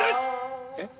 えっ？